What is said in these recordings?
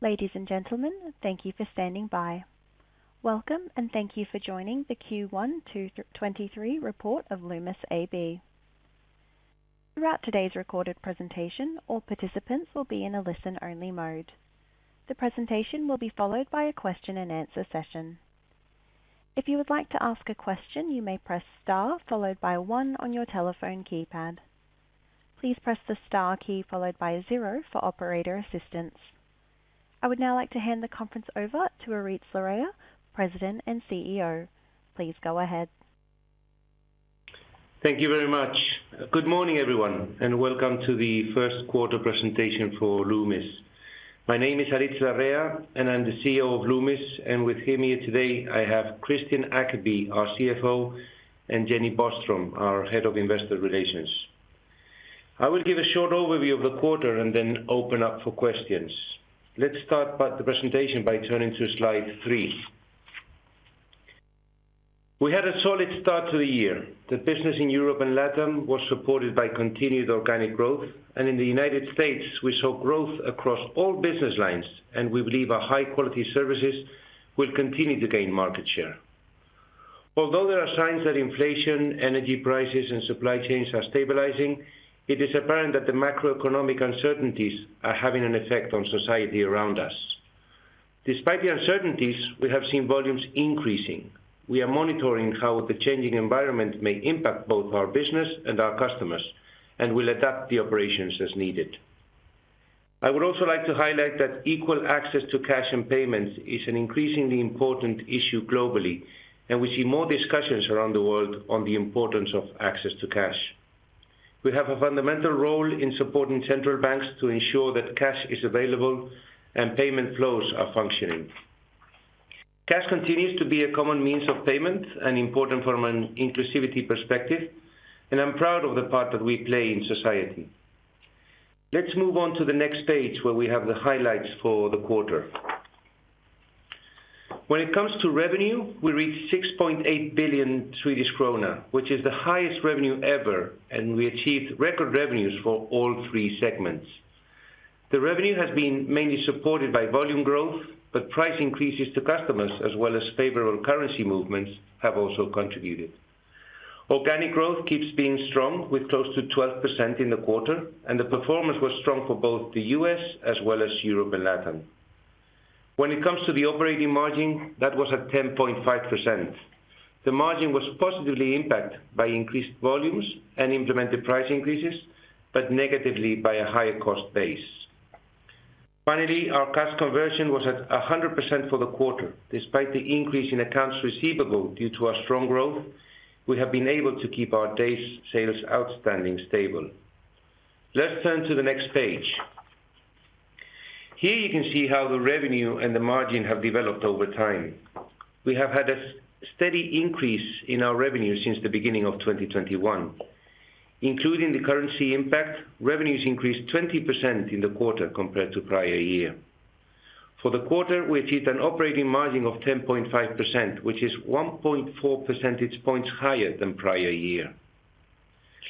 Ladies and gentlemen, thank you for standing by. Welcome and thank you for joining the Q1 2023 report of Loomis AB. Throughout today's recorded presentation, all participants will be in a listen-only mode. The presentation will be followed by a question-and-answer session. If you would like to ask a question, you may press Star followed by one on your telephone keypad. Please press the Star key followed by zero for operator assistance. I would now like to hand the conference over to Aritz Larrea, President and CEO. Please go ahead. Thank you very much. Good morning, everyone, welcome to the Q1 presentation for Loomis. My name is Aritz Larrea, and I'm the CEO of Loomis. With me here today, I have Johan Wilsby, our CFO, and Jenny Boström, our Head of Investor Relations. I will give a short overview of the quarter and then open up for questions. Let's start by the presentation by turning to slide three. We had a solid start to the year. The business in Europe and LATAM was supported by continued organic growth, and in the United States, we saw growth across all business lines, and we believe our high-quality services will continue to gain market share. Although there are signs that inflation, energy prices, and supply chains are stabilizing, it is apparent that the macroeconomic uncertainties are having an effect on society around us. Despite the uncertainties, we have seen volumes increasing. We are monitoring how the changing environment may impact both our business and our customers and will adapt the operations as needed. I would also like to highlight that equal access to cash and payments is an increasingly important issue globally. We see more discussions around the world on the importance of access to cash. We have a fundamental role in supporting central banks to ensure that cash is available and payment flows are functioning. Cash continues to be a common means of payment and important from an inclusivity perspective. I'm proud of the part that we play in society. Let's move on to the next page where we have the highlights for the quarter. When it comes to revenue, we reached 6.8 billion Swedish krona, which is the highest revenue ever. We achieved record revenues for all three segments. The revenue has been mainly supported by volume growth. Price increases to customers as well as favorable currency movements have also contributed. Organic growth keeps being strong with close to 12% in the quarter. The performance was strong for both the U.S. as well as Europe and LATAM. When it comes to the operating margin, that was at 10.5%. The margin was positively impacted by increased volumes and implemented price increases. Negatively by a higher cost base. Finally, our cash conversion was at 100% for the quarter. Despite the increase in accounts receivable due to our strong growth, we have been able to keep our day's sales outstanding stable. Let's turn to the next page. Here you can see how the revenue and the margin have developed over time. We have had a steady increase in our revenue since the beginning of 2021. Including the currency impact, revenues increased 20% in the quarter compared to prior year. For the quarter, we achieved an operating margin of 10.5%, which is 1.4 percentage points higher than prior year.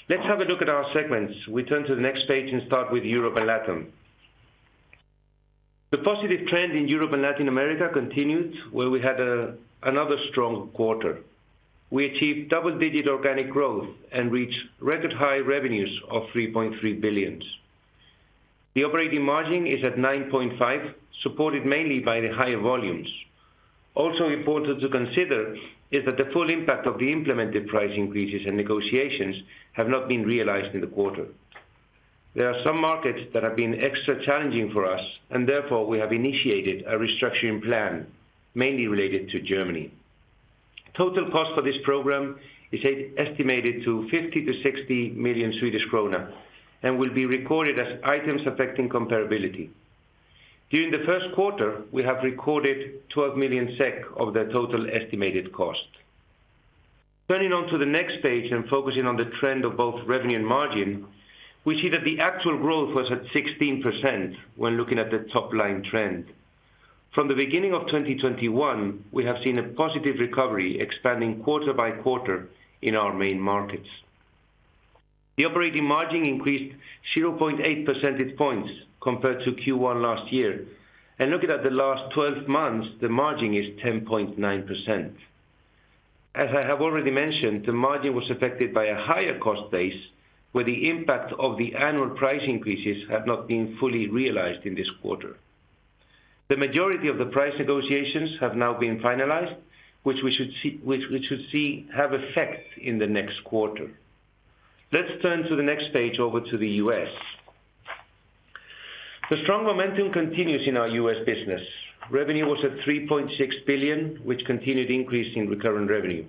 Let's have a look at our segments. We turn to the next page and start with Europe and LATAM. The positive trend in Europe and Latin America continued where we had another strong quarter. We achieved double-digit organic growth and reached record high revenues of 3.3 billion. The operating margin is at 9.5%, supported mainly by the higher volumes. Also important to consider is that the full impact of the implemented price increases and negotiations have not been realized in the quarter. Therefore, we have initiated a restructuring plan mainly related to Germany. Total cost for this program is estimated to 50 million-60 million Swedish krona and will be recorded as items affecting comparability. During the Q1, we have recorded 12 million SEK of the total estimated cost. Turning on to the next page and focusing on the trend of both revenue and margin, we see that the actual growth was at 16% when looking at the top line trend. From the beginning of 2021, we have seen a positive recovery expanding quarter by quarter in our main markets. The operating margin increased 0.8 percentage points compared to Q1 last year. Looking at the last 12 months, the margin is 10.9%. As I have already mentioned, the margin was affected by a higher cost base where the impact of the annual price increases have not been fully realized in this quarter. The majority of the price negotiations have now been finalized, which we should see have effect in the next quarter. Let's turn to the next page over to the U.S. The strong momentum continues in our U.S. business. Revenue was at 3.6 billion, which continued increase in recurrent revenue.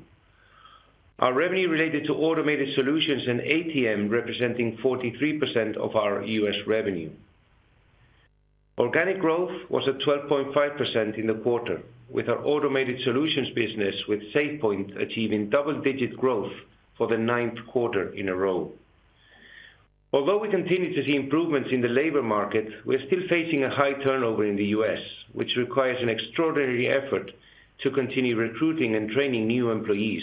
Our revenue related to automated solutions and ATM representing 43% of our U.S. revenue. Organic growth was at 12.5% in the quarter, with our automated solutions business with SafePoint achieving double-digit growth for the Q9 in a row. We continue to see improvements in the labor market, we're still facing a high turnover in the US, which requires an extraordinary effort to continue recruiting and training new employees.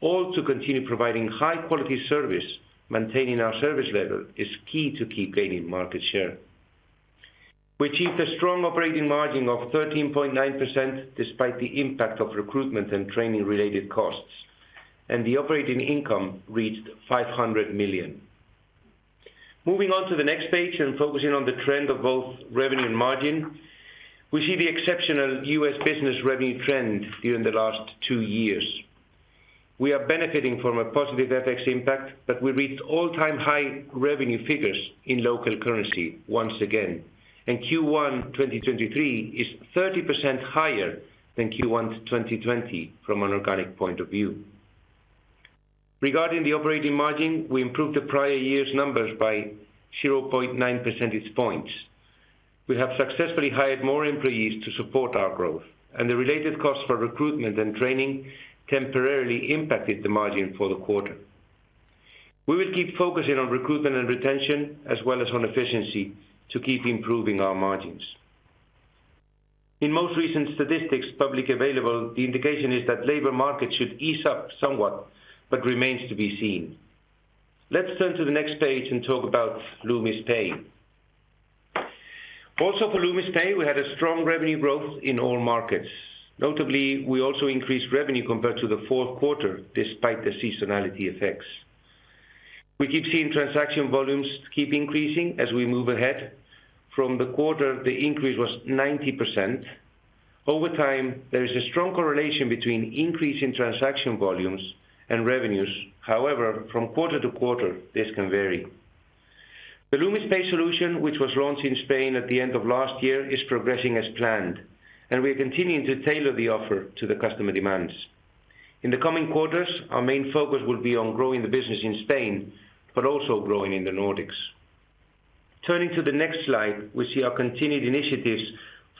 All to continue providing high quality service, maintaining our service level is key to keep gaining market share. We achieved a strong operating margin of 13.9% despite the impact of recruitment and training related costs. The operating income reached 500 million. Moving on to the next page and focusing on the trend of both revenue and margin. We see the exceptional US business revenue trend during the last two years. We are benefiting from a positive FX impact. We reached all-time high revenue figures in local currency once again, and Q1 2023 is 30% higher than Q1 2020 from an organic point of view. Regarding the operating margin, we improved the prior year's numbers by 0.9 percentage points. We have successfully hired more employees to support our growth, and the related costs for recruitment and training temporarily impacted the margin for the quarter. We will keep focusing on recruitment and retention as well as on efficiency to keep improving our margins. In most recent statistics publicly available, the indication is that labor market should ease up somewhat but remains to be seen. Let's turn to the next page and talk about Loomis Pay. Also for Loomis Pay, we had a strong revenue growth in all markets. Notably, we also increased revenue compared to the Q4 despite the seasonality effects. We keep seeing transaction volumes keep increasing as we move ahead. From the quarter, the increase was 90%. Over time, there is a strong correlation between increase in transaction volumes and revenues. However, from quarter-to-quarter, this can vary. The Loomis Pay solution, which was launched in Spain at the end of last year, is progressing as planned, and we are continuing to tailor the offer to the customer demands. In the coming quarters, our main focus will be on growing the business in Spain, but also growing in the Nordics. We see our continued initiatives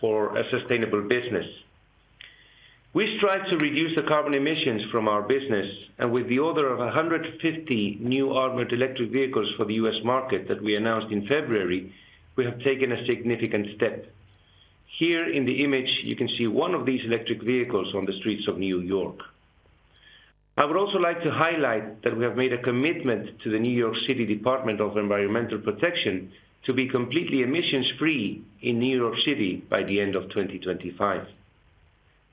for a sustainable business. We strive to reduce the carbon emissions from our business, and with the order of 150 new armored electric vehicles for the U.S. market that we announced in February, we have taken a significant step. Here in the image, you can see one of these electric vehicles on the streets of New York. I would also like to highlight that we have made a commitment to the New York City Department of Environmental Protection to be completely emissions free in New York City by the end of 2025.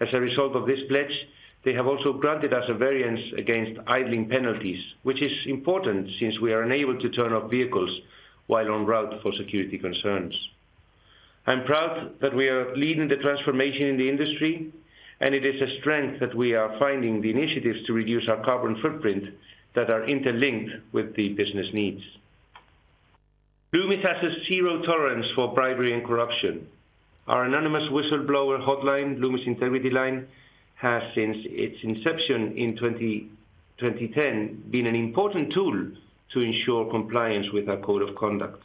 As a result of this pledge, they have also granted us a variance against idling penalties, which is important since we are unable to turn off vehicles while on route for security concerns. I'm proud that we are leading the transformation in the industry, and it is a strength that we are finding the initiatives to reduce our carbon footprint that are interlinked with the business needs. Loomis has a zero tolerance for bribery and corruption. Our anonymous whistleblower hotline, Loomis Integrity Line, has, since its inception in 2010, been an important tool to ensure compliance with our code of conduct.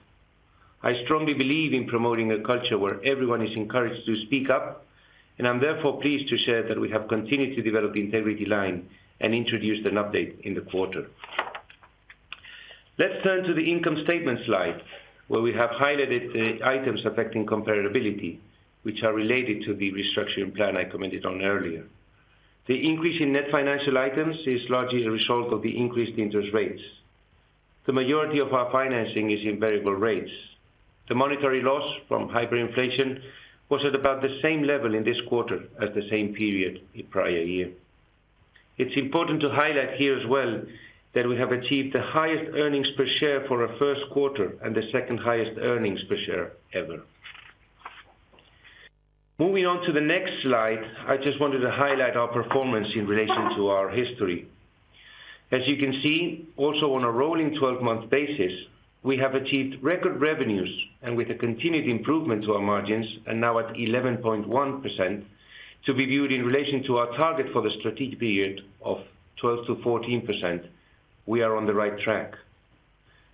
I strongly believe in promoting a culture where everyone is encouraged to speak up, and I'm therefore pleased to share that we have continued to develop the Integrity Line and introduced an update in the quarter. Let's turn to the income statement slide, where we have highlighted the items affecting comparability, which are related to the restructuring plan I commented on earlier. The increase in net financial items is largely a result of the increased interest rates. The majority of our financing is in variable rates. The monetary loss from hyperinflation was at about the same level in this quarter as the same period the prior year. It's important to highlight here as well that we have achieved the highest earnings per share for a Q1 and the second highest earnings per share ever. Moving on to the next slide, I just wanted to highlight our performance in relation to our history. As you can see, also on a rolling 12-month basis, we have achieved record revenues and with a continued improvement to our margins and now at 11.1% to be viewed in relation to our target for the strategic period of 12%-14%, we are on the right track.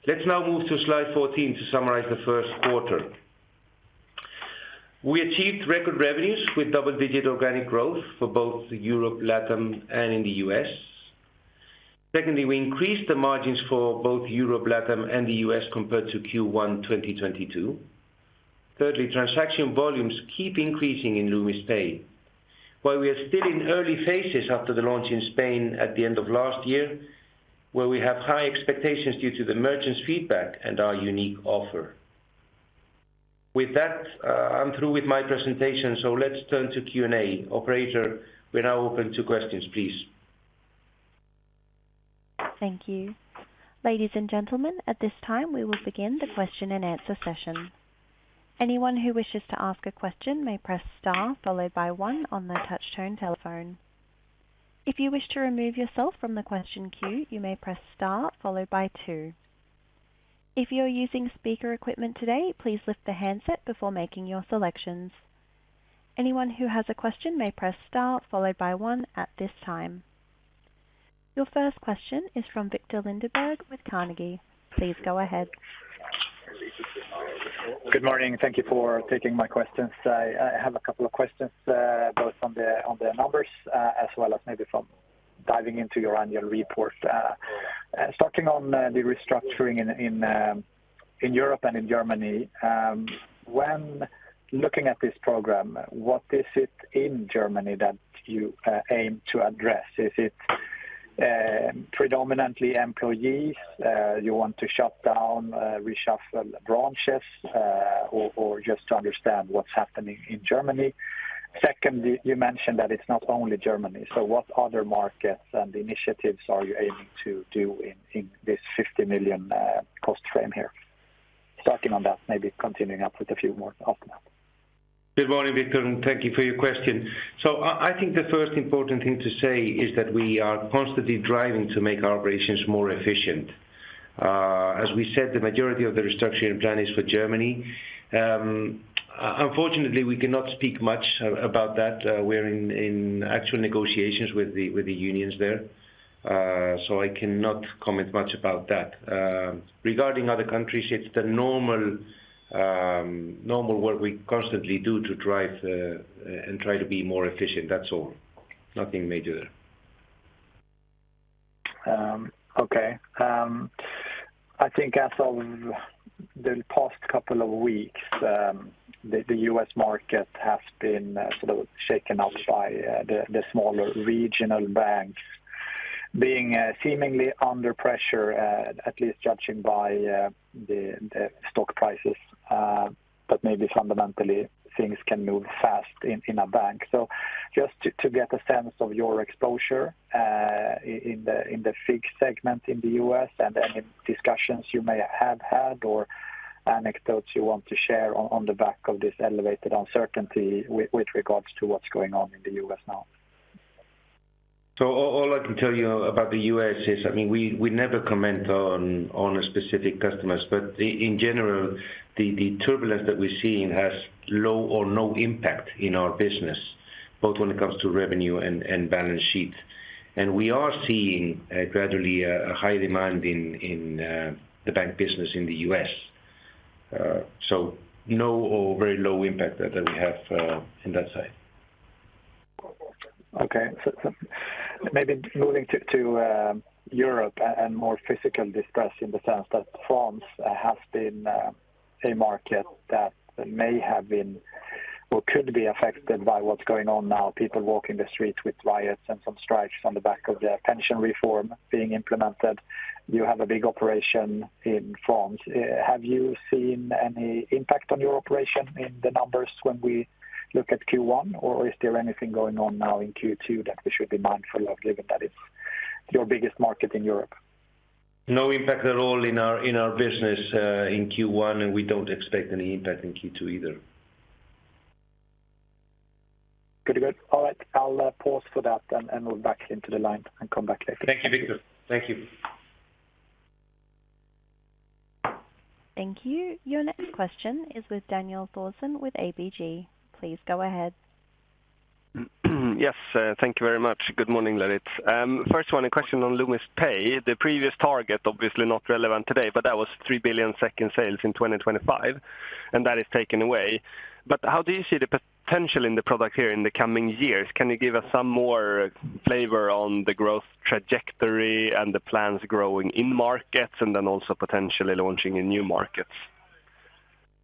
Let's now move to slide 14 to summarize the Q1. We achieved record revenues with double-digit organic growth for both Europe, Latin, and in the U.S. Secondly, we increased the margins for both Europe, Latin, and the U.S. compared to Q1 2022. Thirdly, transaction volumes keep increasing in Loomis Pay. While we are still in early phases after the launch in Spain at the end of last year, where we have high expectations due to the merchants' feedback and our unique offer. With that, I'm through with my presentation, so let's turn to Q&A. Operator, we're now open to questions, please. Thank you. Ladies and gentlemen, at this time, we will begin the question-and-answer session. Anyone who wishes to ask a question may press star followed by 1 on their touch-tone telephone. If you wish to remove yourself from the question queue, you may press star followed by 2. If you are using speaker equipment today, please lift the handset before making your selections. Anyone who has a question may press star followed by 1 at this time. Your first question is from Viktor Lindeberg with Carnegie. Please go ahead. Good morning. Thank you for taking my questions. I have a couple of questions, both on the numbers, as well as maybe from diving into your annual report. Starting on the restructuring in. In Europe, in Germany, when looking at this program, what is it in Germany that you aim to address? Is it predominantly employees, you want to shut down, reshuffle branches, or just to understand what's happening in Germany? Second, you mentioned that it's not only Germany. What other markets and initiatives are you aiming to do in this 50 million cost frame here? Starting on that, maybe continuing up with a few more after that. Good morning, Viktor, and thank you for your question. I think the first important thing to say is that we are constantly driving to make our operations more efficient. As we said, the majority of the restructuring plan is for Germany. Unfortunately, we cannot speak much about that. We're in actual negotiations with the unions there, I cannot comment much about that. Regarding other countries, it's the normal work we constantly do to drive and try to be more efficient, that's all. Nothing major there. Okay. I think as of the past couple of weeks, the U.S. market has been sort of shaken up by the smaller regional banks being seemingly under pressure, at least judging by the stock prices, but maybe fundamentally things can move fast in a bank. Just to get a sense of your exposure in the FIG segment in the U.S. and any discussions you may have had or anecdotes you want to share on the back of this elevated uncertainty with regards to what's going on in the U.S. now. All I can tell you about the U.S. is, I mean, we never comment on specific customers, but in general, the turbulence that we're seeing has low or no impact in our business, both when it comes to revenue and balance sheet. We are seeing gradually a high demand in the bank business in the U.S., so no or very low impact that we have in that side. Okay. Maybe moving to Europe and more physical distress in the sense that France has been a market that may have been or could be affected by what's going on now. People walking the streets with riots and some strikes on the back of the pension reform being implemented. You have a big operation in France. Have you seen any impact on your operation in the numbers when we look at Q1? Is there anything going on now in Q2 that we should be mindful of, given that it's your biggest market in Europe? No impact at all in our business, in Q1. We don't expect any impact in Q2 either. Good. Good. All right. I'll pause for that then and move back into the line and come back later. Thank you, Viktor. Thank you. Thank you. Your next question is with Daniel Thorsson with ABG. Please go ahead. Yes, thank you very much. Good morning, Aritz. First one, a question on LoomisPay. The previous target, obviously not relevant today, but that was 3 billion SEK sales in 2025, and that is taken away. How do you see the potential in the product here in the coming years? Can you give us some more flavor on the growth trajectory and the plans growing in markets and then also potentially launching in new markets?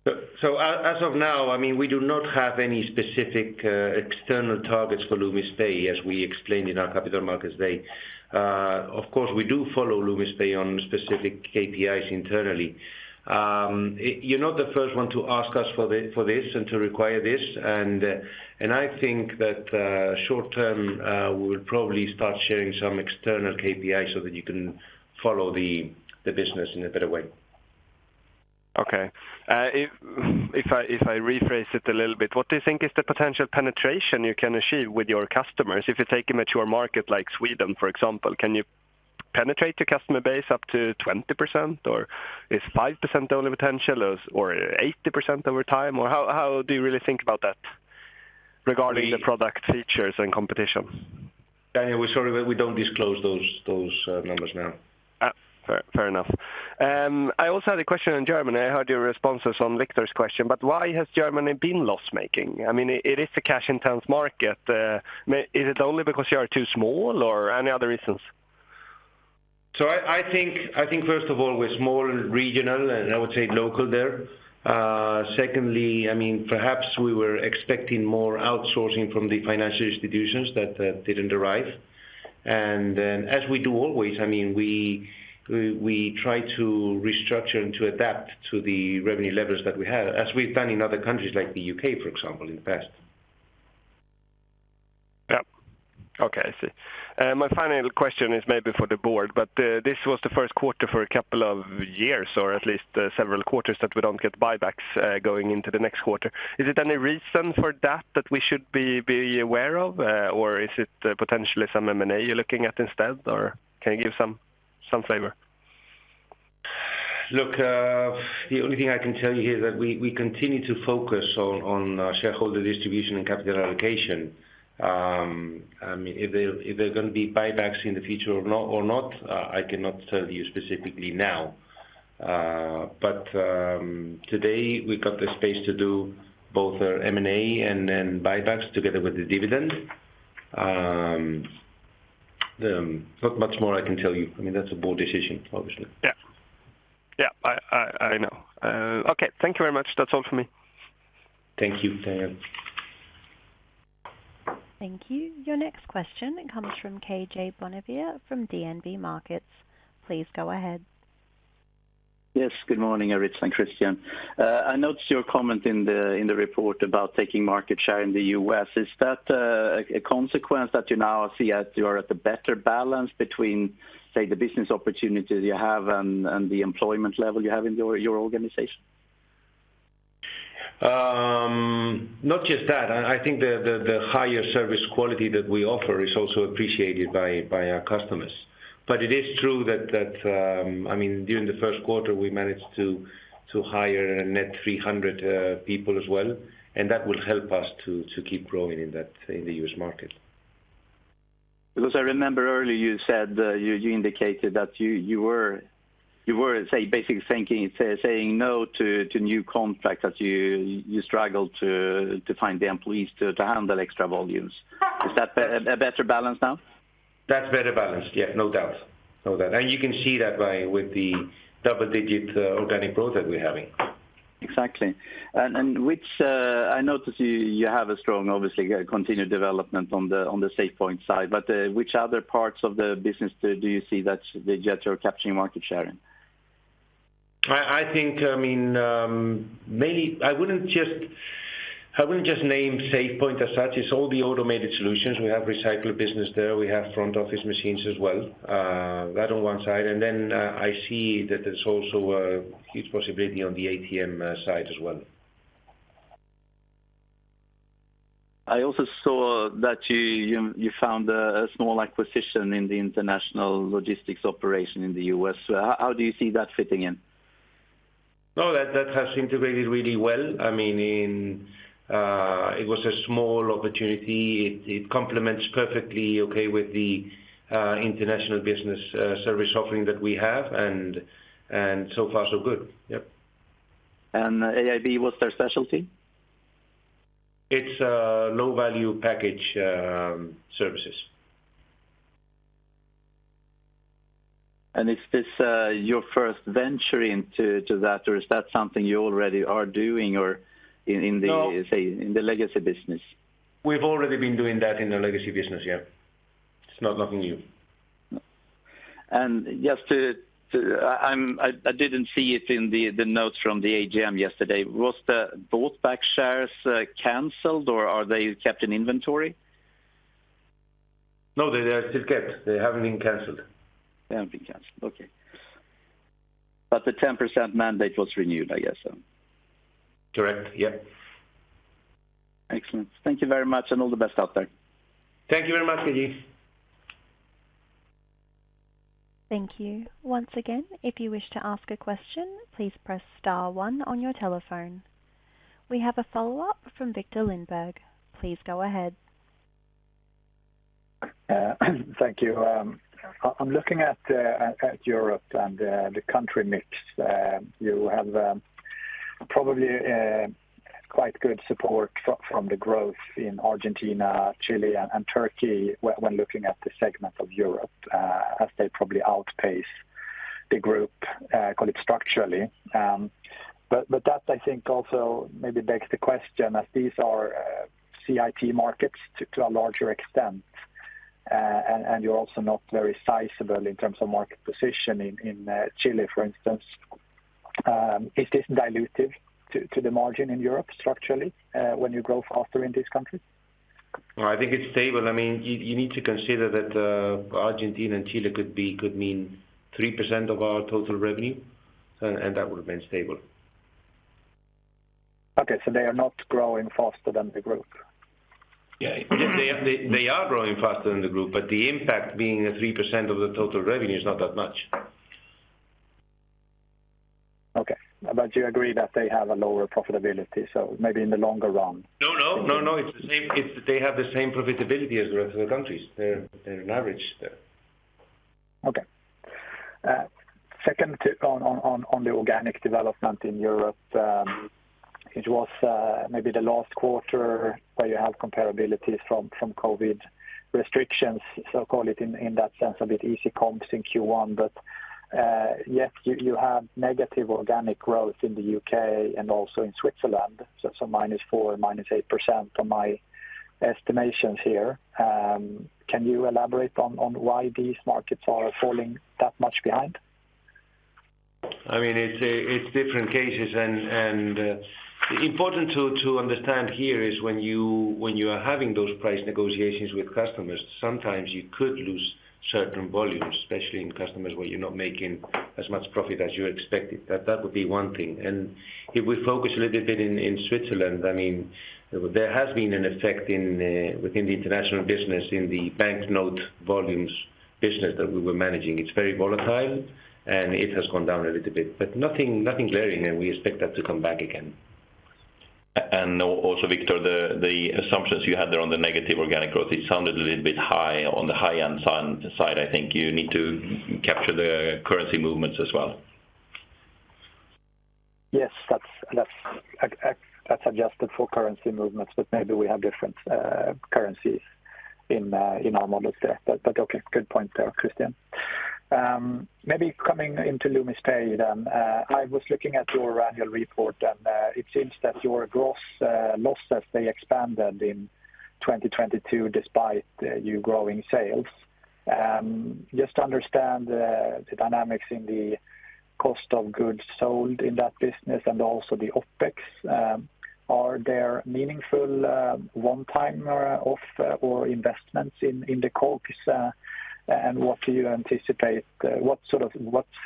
As of now, I mean, we do not have any specific external targets for Loomis Pay, as we explained in our Capital Markets Day. Of course, we do follow Loomis Pay on specific KPIs internally. You're not the first one to ask us for this and to require this, and I think that short term, we'll probably start sharing some external KPIs so that you can follow the business in a better way. Okay. If I rephrase it a little bit, what do you think is the potential penetration you can achieve with your customers? If you take a mature market like Sweden, for example, can you penetrate the customer base up to 20%, or is 5% only potential or 80% over time? How do you really think about that regarding the product features and competition? Daniel, we're sorry that we don't disclose those numbers now. Fair enough. I also had a question on Germany. I heard your responses on Viktor's question. Why has Germany been loss-making? I mean, it is a cash-intensive market. Is it only because you are too small or any other reasons? I think first of all, we're small and regional, and I would say local there. Secondly, I mean, perhaps we were expecting more outsourcing from the financial institutions that didn't arrive. As we do always, I mean, we try to restructure and to adapt to the revenue levels that we have, as we've done in other countries like the U.K., for example, in the past. Yeah. Okay, I see. My final question is maybe for the board, but this was the Q1 for a couple of years, or at least several quarters, that we don't get buybacks, going into the next quarter. Is it any reason for that that we should be aware of? Is it potentially some M&A you're looking at instead? Can you give some flavor? Look, the only thing I can tell you here is that we continue to focus on shareholder distribution and capital allocation. I mean, if there's gonna be buybacks in the future or not, I cannot tell you specifically now. Today we got the space to do both our M&A and then buybacks together with the dividend. Not much more I can tell you. I mean, that's a board decision, obviously. Yeah. I know. Okay, thank you very much. That's all for me. Thank you, Daniel. Thank you. Your next question comes from Karl-Johan Bonnevier from DNB Markets. Please go ahead. Yes. Good morning, Aritz and Christian. I noticed your comment in the report about taking market share in the U.S. Is that a consequence that you now see as you are at the better balance between, say, the business opportunities you have and the employment level you have in your organization? Not just that. I think the higher service quality that we offer is also appreciated by our customers. It is true that, I mean, during the Q1, we managed to hire a net 300 people as well, and that will help us to keep growing in the U.S. market. I remember earlier you said, you indicated that you were basically thinking, saying no to new contracts as you struggle to find the employees to handle extra volumes. Is that a better balance now? That's better balanced. Yeah, no doubt. No doubt. You can see that by, with the double-digit, organic growth that we're having. Exactly. and which, I noticed you have a strong, obviously, continued development on the, on the SafePoint side, but, which other parts of the business do you see that you are capturing market share in? I think, I mean, maybe I wouldn't just name SafePoint as such. It's all the automated solutions. We have recycler business there, we have front office machines as well. That on one side. I see that there's also a huge possibility on the ATM side as well. I also saw that you found a small acquisition in the international logistics operation in the U.S. How do you see that fitting in? No, that has integrated really well. I mean, it was a small opportunity. It complements perfectly okay with the international business service offering that we have, and so far so good. Yep. AIB, what's their specialty? It's, low-value package, services. Is this your first venture into that, or is that something you already are doing or in the? No- say, in the legacy business? We've already been doing that in the legacy business, yeah. It's nothing new. Just to I didn't see it in the notes from the AGM yesterday. Was the bought back shares canceled or are they kept in inventory? No, they are still kept. They haven't been canceled. They haven't been canceled. Okay. The 10% mandate was renewed, I guess, so. Correct. Yeah. Excellent. Thank you very much, and all the best out there. Thank you very much, K.J. Thank you. Once again, if you wish to ask a question, please press star one on your telephone. We have a follow-up from Viktor Lindeberg. Please go ahead. Thank you. Um, I, I'm looking at Europe and, the country mix. You have, probably, quite good support from the growth in Argentina, Chile, and, and Turkey when looking at the segment of Europe, as they probably outpace the group, call it structurally. Um, but, but that I think also maybe begs the question, as these are, CIT markets to, to a larger extent, and, and you're also not very sizable in terms of market position in, Chile, for instance, um, is this dilutive to, to the margin in Europe structurally, when you grow faster in these countries? No, I think it's stable. I mean, you need to consider that, Argentina and Chile could mean 3% of our total revenue, and that would have been stable. Okay. They are not growing faster than the group? Yeah. They are growing faster than the group, but the impact being a 3% of the total revenue is not that much. Okay. You agree that they have a lower profitability, so maybe in the longer run. No, no. No, no. It's the same... They have the same profitability as the rest of the countries. They're an average there. Okay. On the organic development in Europe, it was maybe the last quarter where you have comparabilities from COVID restrictions, so call it in that sense, a bit easy comps in Q1. Yet you have negative organic growth in the U.K. and also in Switzerland, so -4%, -8% from my estimations here. Can you elaborate on why these markets are falling that much behind? I mean, it's different cases and important to understand here is when you are having those price negotiations with customers, sometimes you could lose certain volumes, especially in customers where you're not making as much profit as you expected. That would be one thing. If we focus a little bit in Switzerland, I mean, there has been an effect in within the international business in the banknote volumes business that we were managing. It's very volatile, and it has gone down a little bit, but nothing glaring, and we expect that to come back again. Also, Viktor, the assumptions you had there on the negative organic growth, it sounded a little bit high on the high-end sun-side. I think you need to capture the currency movements as well. Yes, that's adjusted for currency movements, but maybe we have different currencies in our models there. Okay, good point there, Christian. Maybe coming into Loomis Pay then, I was looking at your annual report, and it seems that your gross losses, they expanded in 2022 despite you growing sales. Just to understand the dynamics in the cost of goods sold in that business and also the OpEx, are there meaningful one time or off or investments in the COGS? What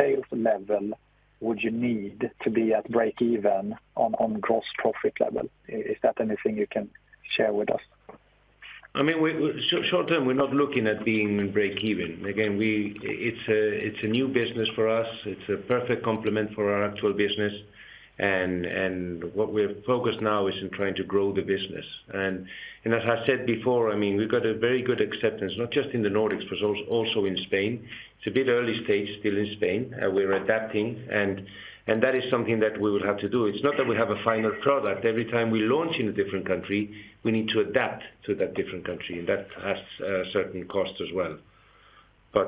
sales level would you need to be at break even on gross profit level? Is that anything you can share with us? I mean, we short-term, we're not looking at being break even. Again, it's a new business for us. It's a perfect complement for our actual business. What we're focused now is in trying to grow the business. As I said before, I mean, we've got a very good acceptance, not just in the Nordics, but also in Spain. It's a bit early stage still in Spain. We're adapting, and that is something that we will have to do. It's not that we have a final product. Every time we launch in a different country, we need to adapt to that different country, and that has certain costs as well. I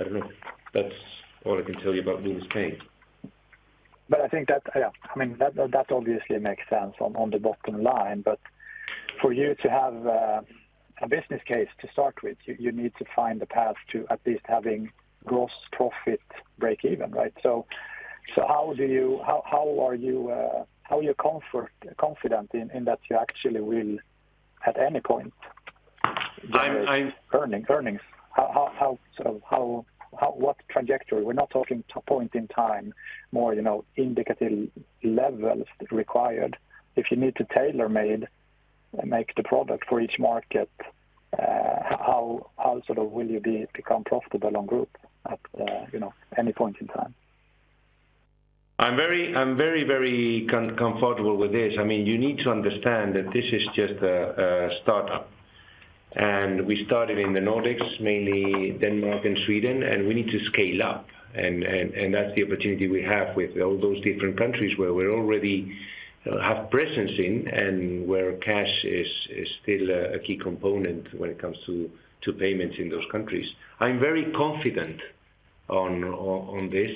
don't know. That's all I can tell you about Loomis Pay. I think that, yeah, I mean, that obviously makes sense on the bottom line. For you to have a business case to start with, you need to find the path to at least having gross profit break even, right? How are you confident in that you actually will at any point-? I'm. Earnings. How what trajectory? We're not talking to a point in time more, indicative levels required. If you need to tailor-make the product for each market, how sort of will you become profitable on group at, any point in time? I'm very, very comfortable with this. I mean, you need to understand that this is just a start-up. We started in the Nordics, mainly Denmark and Sweden, and we need to scale up. That's the opportunity we have with all those different countries where we already have presence in and where cash is still a key component when it comes to payments in those countries. I'm very confident on this.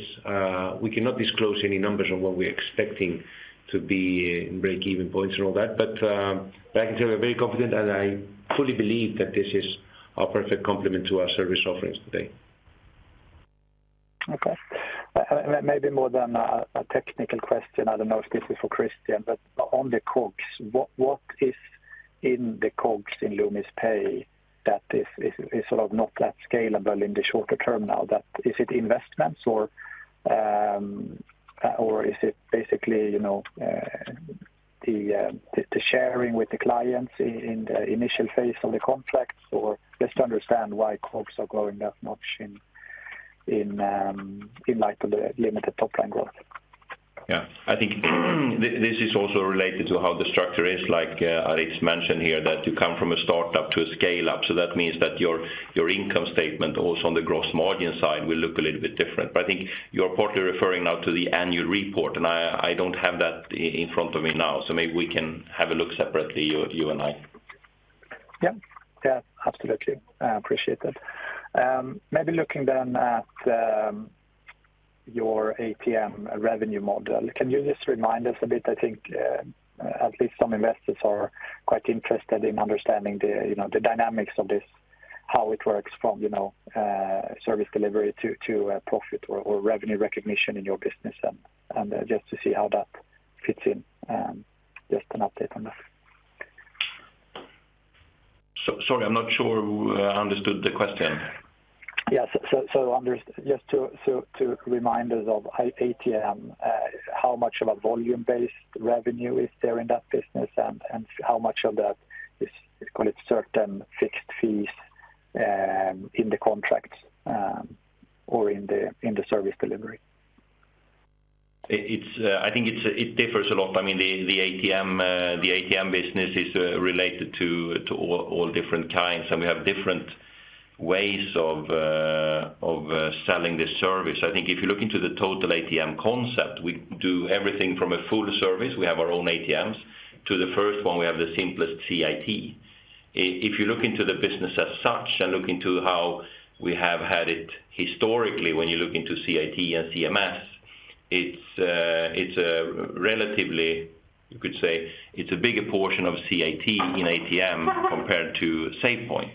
We cannot disclose any numbers on what we're expecting to be break-even points and all that. I can tell you we're very confident, and I fully believe that this is a perfect complement to our service offerings today. Okay. Maybe more than a technical question. I don't know if this is for Christian, on the COGS, what is in the COGS in Loomis Pay that is sort of not that scalable in the shorter term now that... Is it investments or is it basically, the sharing with the clients in the initial phase of the contracts, or just to understand why COGS are going up much in light of the limited top line growth? Yeah. I think this is also related to how the structure is like. It's mentioned here that you come from a start-up to a scale-up, that means that your income statement also on the gross margin side will look a little bit different. I think you're partly referring now to the annual report, and I don't have that in front of me now, maybe we can have a look separately, you and I. Yeah. Yeah, absolutely. I appreciate that. Maybe looking then at your ATM revenue model. Can you just remind us a bit? I think, at least some investors are quite interested in understanding the, dynamics of this, how it works from, service delivery to profit or revenue recognition in your business and just to see how that fits in. Just an update on that. Sorry, I'm not sure I understood the question? Yes. To remind us of ATM, how much of a volume-based revenue is there in that business and how much of that is, call it, certain fixed fees, in the contracts or in the service delivery? It, it's, I think it differs a lot. I mean, the ATM, the ATM business is related to all different kinds, and we have different ways of selling this service. I think if you look into the total ATM concept, we do everything from a full service, we have our own ATMs, to the first one, we have the simplest CIT. If you look into the business as such and look into how we have had it historically, when you look into CIT and CMS, it's relatively, you could say, it's a bigger portion of CIT in ATM compared to SafePoint.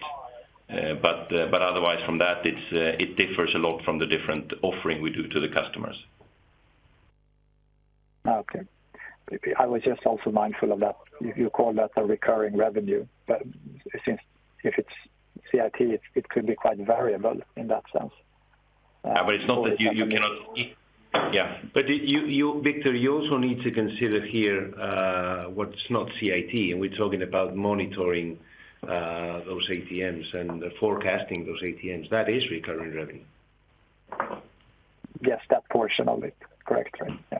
But otherwise from that, it's, it differs a lot from the different offering we do to the customers. Okay. I was just also mindful of that. You call that a recurring revenue, but it seems if it's CIT, it could be quite variable in that sense. it's not that you cannot... Yeah. You Viktor, you also need to consider here, what's not CIT, and we're talking about monitoring, those ATMs and forecasting those ATMs. That is recurring revenue. Yes, that portion of it. Correct. Right. Yeah.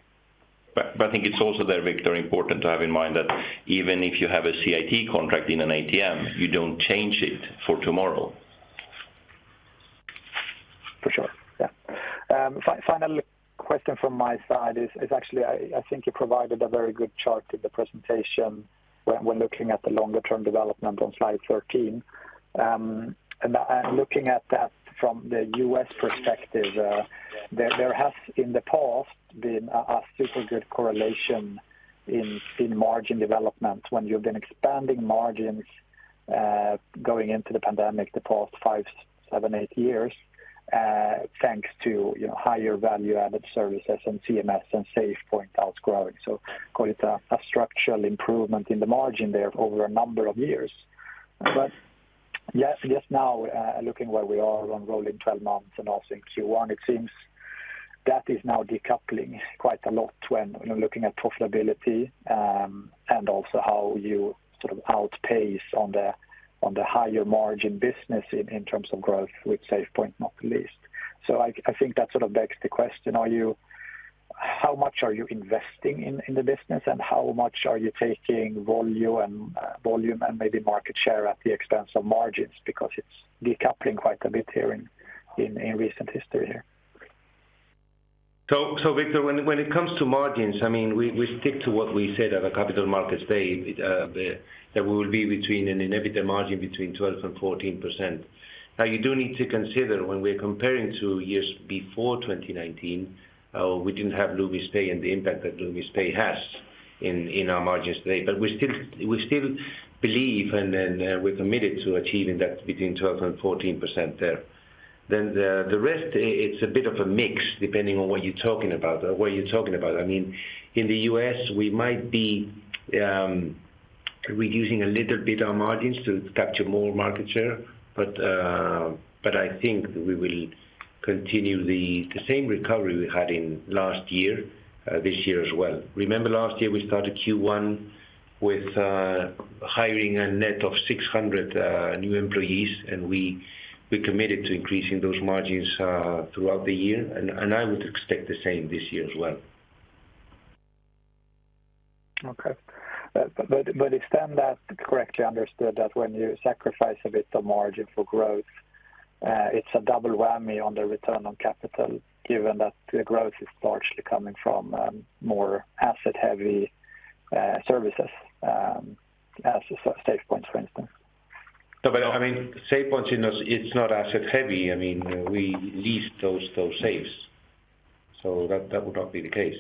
I think it's also there, Viktor, important to have in mind that even if you have a CIT contract in an ATM, you don't change it for tomorrow. For sure. Yeah. final question from my side is actually, I think you provided a very good chart in the presentation when looking at the longer term development on slide 13. I'm looking at that from the U.S. perspective. there has in the past been a super good correlation in margin development when you've been expanding margins, going into the pandemic the past five, seven, eight years, thanks to, higher value added services and CMS and SafePoint outs growing. Call it a structural improvement in the margin there over a number of years. Yes, just now, looking where we are on rolling 12 months and also in Q1, it seems that is now decoupling quite a lot when looking at profitability, and also how you sort of outpace on the, on the higher margin business in terms of growth with SafePoint not least. I think that sort of begs the question, how much are you investing in the business, and how much are you taking volume and maybe market share at the expense of margins? Because it's decoupling quite a bit here in recent history here. Victor, when it comes to margins, I mean, we stick to what we said at the Capital Markets Day, that we will be between an EBITDA margin between 12% and 14%. Now you do need to consider when we're comparing to years before 2019, we didn't have Loomis Pay and the impact that Loomis Pay has in our margins today. We still believe we're committed to achieving that between 12% and 14% there. The rest it's a bit of a mix depending on what you're talking about, where you're talking about. I mean, in the U.S. we might be reducing a little bit our margins to capture more market share. I think we will continue the same recovery we had in last year, this year as well. Remember last year we started Q1 with hiring a net of 600 new employees, and we committed to increasing those margins throughout the year. I would expect the same this year as well. Okay. If then that correctly understood that when you sacrifice a bit of margin for growth, it's a double whammy on the return on capital given that the growth is largely coming from more asset heavy services, as SafePoint for instance. No, I mean, SafePoint in us it's not asset heavy. I mean, we lease those safes. That would not be the case.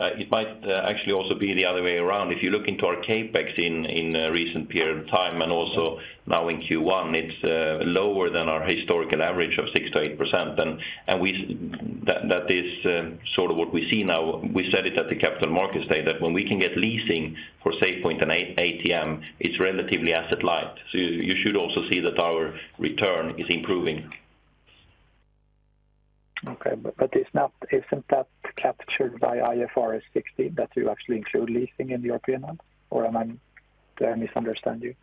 It might actually also be the other way around. If you look into our CapEx in recent period of time and also now in Q1, it's lower than our historical average of 6%-8%. That is sort of what we see now. We said it at the Capital Markets Day, that when we can get leasing for SafePoint and A-ATM, it's relatively asset light. You should also see that our return is improving. Okay. Isn't that captured by IFRS 16, that you actually include leasing in the P&L? Am I misunderstand you?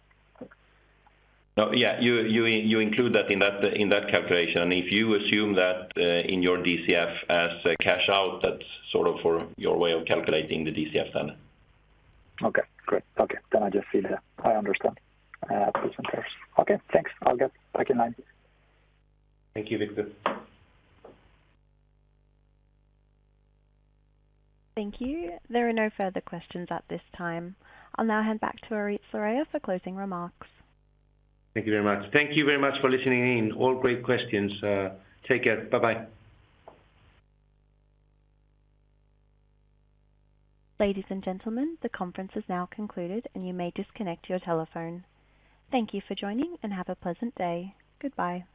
No, yeah, you include that in that, in that calculation. If you assume that in your DCF as a cash out, that's sort of for your way of calculating the DCF. Okay, great. Okay. I just see that. I understand, recent years. Okay, thanks. I'll get back in line. Thank you, Viktor. Thank you. There are no further questions at this time. I'll now hand back to Aritz Larrea for closing remarks. Thank you very much. Thank you very much for listening in. All great questions. Take care. Bye-bye. Ladies and gentlemen, the conference is now concluded and you may disconnect your telephone. Thank you for joining and have a pleasant day. Goodbye.